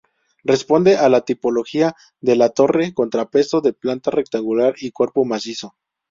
Responde a la tipología de torre contrapeso de planta rectangular y cuerpo macizo.